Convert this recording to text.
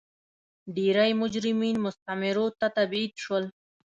ډېری مجرمین مستعمرو ته تبعید شول.